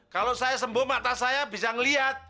kalau saya sembuh mata saya bisa melihat